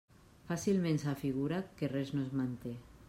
Fàcilment s'afigura que res no es manté.